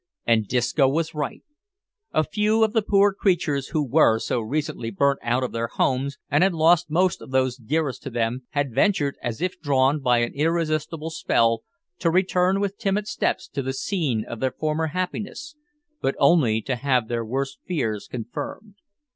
And Disco was right. A few of the poor creatures who were so recently burnt out of their homes, and had lost most of those dearest to them, had ventured, as if drawn by an irresistible spell, to return with timid steps to the scene of their former happiness, but only to have their worst fears confirmed.